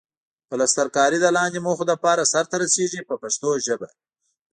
پلسترکاري د لاندې موخو لپاره سرته رسیږي په پښتو ژبه.